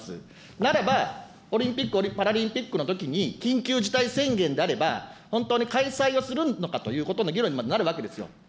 ならば、オリンピック・パラリンピックのときに、緊急事態宣言であれば、本当に開催をするのかということの議論にまでなるわけですよ。